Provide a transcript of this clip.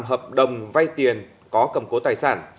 hợp đồng vay tiền có cầm cố tài sản